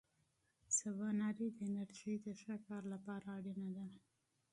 سباناري د انرژۍ د ښه کار لپاره اړینه ده.